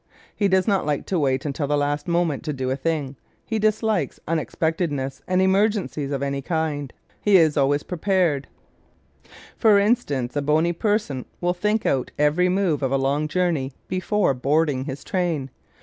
He does not like to wait until the last moment to do a thing. He dislikes unexpectedness and emergencies of any kind. He is always prepared. For instance a bony person will think out every move of a long journey before boarding his train.